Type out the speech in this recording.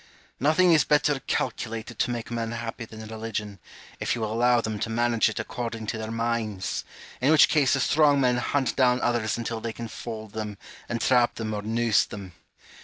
Nothing is better calculated to make men happy than religion, if you will allow them to manage it according to their minds ; in which case the strong men hunt down others until they can fold them, entrap them, or noose them.